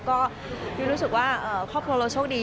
ก็ยุ้ยรู้สึกว่าครอบครัวเราโชคดี